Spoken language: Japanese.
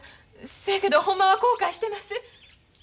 そやけどほんまは後悔してます。